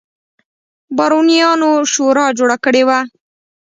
بارونیانو شورا جوړه کړې وه.